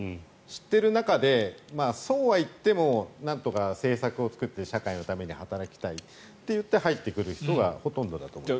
知っている中でそうはいってもなんとか政策を作って社会のために働きたいといって入ってくる人がほとんどだと思います。